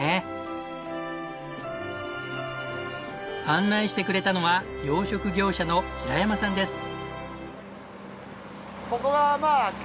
案内してくれたのは養殖業者の平山さんです。